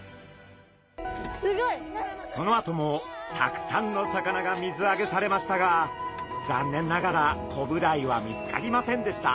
そのあともたくさんの魚が水あげされましたが残念ながらコブダイは見つかりませんでした。